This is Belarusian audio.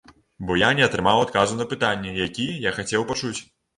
Бо я не атрымаў адказу на пытанне, які я хацеў пачуць.